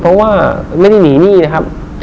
เพราะว่าไม่ได้หนีหนี้นะครับ